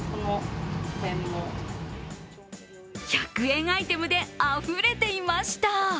１００円アイテムであふれていました。